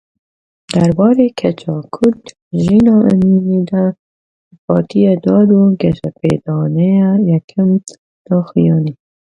Derbarê keça Kurd Jîna Emînî de ji Partiya Dad û Geşepêdanê yekem daxuyanî.